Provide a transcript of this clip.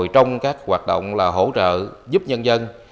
trong các hoạt động hỗ trợ giúp nhân dân